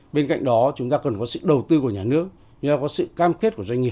bên cạnh đó chúng ta cần có sự đầu tư của nhà nước chúng ta có sự cam kết của doanh nghiệp